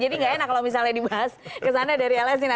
jadi gak enak kalau misalnya dibahas kesana dari lsi nanti